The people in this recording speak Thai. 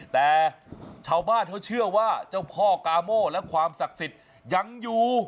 แต่ชาวบ้านเขาเชื่อว่าเจ้าพ่อกาโม่และความศักดิ์สิทธิ์ยังอยู่